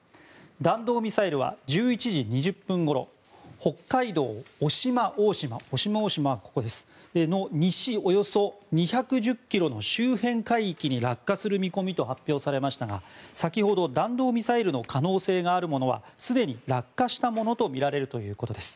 弾道ミサイルは１１時２０分ごろ北海道渡島大島の西およそ２１０ｋｍの周辺海域に落下する見込みと発表されましたが先ほど、弾道ミサイルの可能性があるものはすでに落下したものとみられるということです。